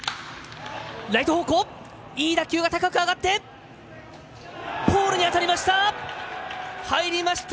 ライト方向に打球、高く上がってポールに当たりました。